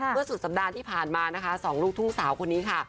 สุดสัปดาห์ที่ผ่านมานะคะสองลูกทุ่งสาวคนนี้ค่ะ